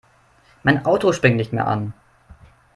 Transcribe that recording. Mein Auto springt nicht mehr an.